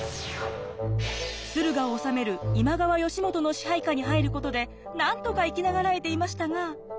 駿河を治める今川義元の支配下に入ることでなんとか生き長らえていましたが。